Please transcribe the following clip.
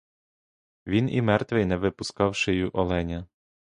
Він і мертвий не випускав шию оленя.